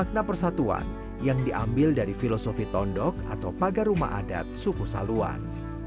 makna persatuan yang diambil dari filosofi tondok atau pagar rumah adat suku saluan